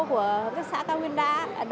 của hợp tác xã cao nguyên đá